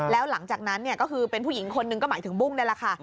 แล้วหลังจากนั้นก็คือเป็นผู้หญิงคนหนึ่งก็หมายถึงบุ้งนี่แหละค่ะ